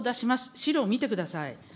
資料見てください。